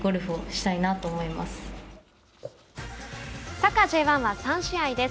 サッカーＪ１は３試合です。